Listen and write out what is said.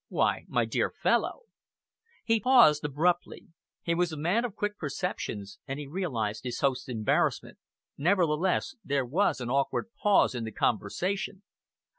Why, my dear fellow " He paused abruptly. He was a man of quick perceptions, and he realised his host's embarrassment. Nevertheless, there was an awkward pause in the conversation.